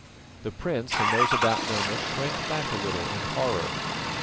The prince and those about Noma shrank back a little in horror.